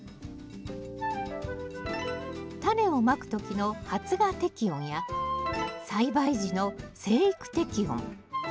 タネをまく時の発芽適温や栽培時の生育適温。